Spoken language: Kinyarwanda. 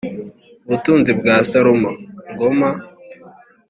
Ubutunzi bwa Salomo( Ngoma -)